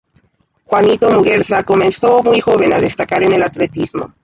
Juanito Muguerza comenzó muy joven a destacar en el atletismo.